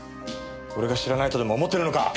俺が知らないとでも思ってるのか！？